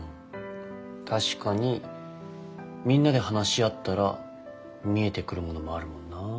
確かにみんなで話し合ったら見えてくるものもあるもんな。